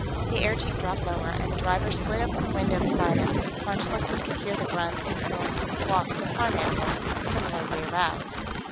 The airjeep dropped lower, and the driver slid open the window beside him; von Schlichten could hear the grunts and snorts and squawks of farm animals, similarly aroused.